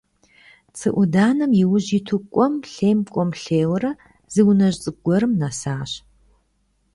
Цы Ӏуданэм и ужь иту кӀуэм-лъейм, кӀуэм-лъейурэ зы унэжь цӀыкӀу гуэрым нэсащ.